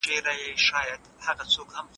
ایا ته په خپله موضوع کي کوم بل متخصص پیژنې؟